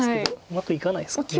うまくいかないですかね。